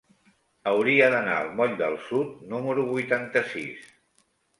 Hauria d'anar al moll del Sud número vuitanta-sis.